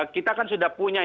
kita kan sudah punya